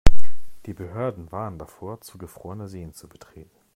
Die Behörden warnen davor, zugefrorene Seen zu betreten.